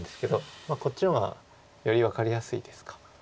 こっちの方がより分かりやすいですか。